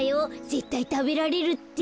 ぜったいたべられるって。